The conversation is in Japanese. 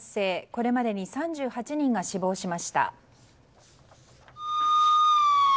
これまでに３８人が死亡しました。